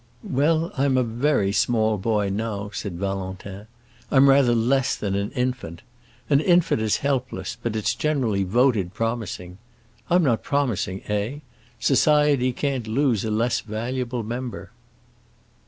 "Well, I'm a very small boy, now," said Valentin. "I'm rather less than an infant. An infant is helpless, but it's generally voted promising. I'm not promising, eh? Society can't lose a less valuable member."